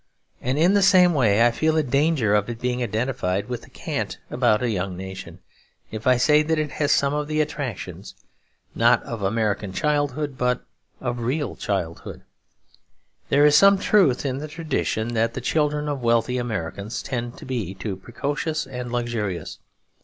And in the same way I feel the danger of it being identified with the cant about 'a young nation' if I say that it has some of the attractions, not of American childhood, but of real childhood. There is some truth in the tradition that the children of wealthy Americans tend to be too precocious and luxurious.